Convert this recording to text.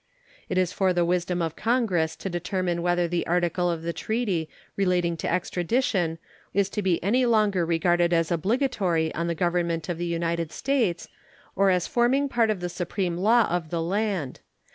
It is for the wisdom of Congress to determine whether the article of the treaty relating to extradition is to be any longer regarded as obligatory on the Government of the United States or as forming part of the supreme law of the land.